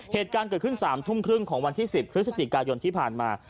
เหตุการณ์เกิดขึ้น๓ทุ่มครึ่งของวันที่๑๐พฤศจิกายนที่ผ่านมา